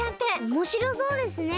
おもしろそうですね。